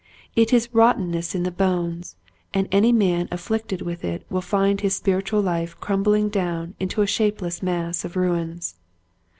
It is rottenness in the bones, and any man afflicted with it will find his spiritual life crumbling down into a shapeless mass of ruins.